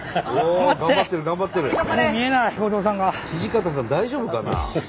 土方さん大丈夫かな？